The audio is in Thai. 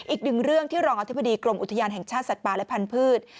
อีกหนึ่งเรื่องที่รองอธิบดีกรมอุทยานแห่งชาติสัตว์ป่าและพันธุ์